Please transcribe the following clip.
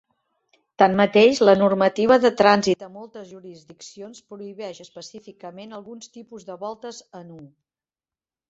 Tanmateix, la normativa de trànsit a moltes jurisdiccions prohibeix específicament alguns tipus de voltes en U.